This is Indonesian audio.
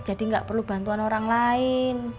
jadi enggak perlu bantuan orang lain